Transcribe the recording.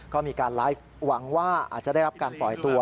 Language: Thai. ก็มีการไลฟ์หวังว่าอาจจะได้รับการปล่อยตัว